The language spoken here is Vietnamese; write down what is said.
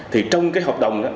thì trong cái hợp đồng